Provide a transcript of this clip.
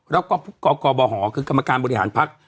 แล้วก็กกบหคือกรรมการบริหารภักดิ์